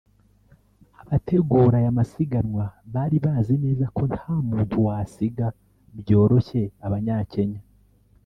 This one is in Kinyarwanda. Abategura aya masiganwa bari bazi neza ko nta muntu wasiga byoroshye abanyakenya